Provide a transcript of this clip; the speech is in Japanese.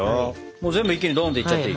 もう全部一気にドンっていっちゃっていい？